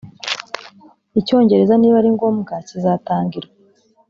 Icyongereza niba ari ngombwa kizatangirwa